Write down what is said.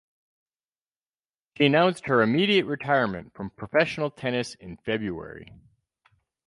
She announced her immediate retirement from professional tennis in February.